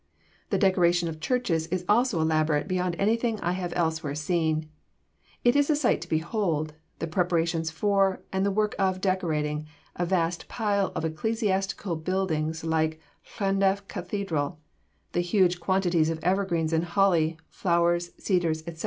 The decoration of churches is also elaborate beyond anything I have elsewhere seen. It is a sight to behold, the preparations for and the work of decorating a vast pile of ecclesiastical buildings like Llandaff Cathedral the huge quantities of evergreens and holly, flowers, cedars, etc.